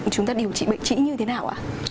chúng ta điều trị bệnh trĩ như thế nào ạ